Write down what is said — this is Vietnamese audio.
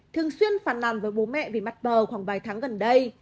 thường xuyên phản nằm với bố mẹ vì mặt bờ khoảng vài tháng gần đây